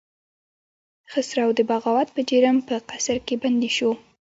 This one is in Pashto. خسرو د بغاوت په جرم په قصر کې بندي شو.